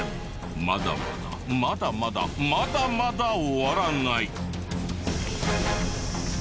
まだまだまだまだまだまだ終わらない！